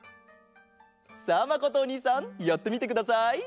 さあまことおにいさんやってみてください。